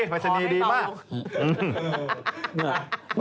ปรัชนีดีมาก